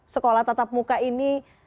sekolah tetap muka ini